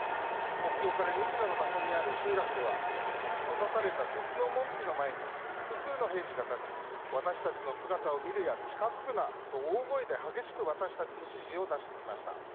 国境から２ｋｍの場所にある集落では閉ざされた鉄の門扉の前に複数の兵士が立ち私たちの姿を見るや近づくな！と大声で激しく私たちに指示を出してきました。